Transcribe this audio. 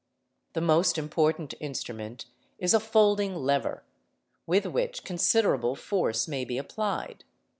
The most important instrument is a folding lever, with which considerable — force may be applied.